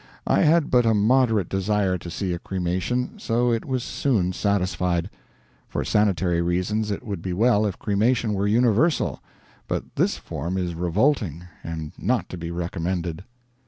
I had but a moderate desire to see a cremation, so it was soon satisfied. For sanitary reasons it would be well if cremation were universal; but this form is revolting, and not to be recommended.